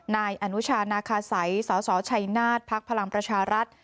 นายอนุชานาคาสัยสสชัยนาศภักดิ์พลังประชารัฐ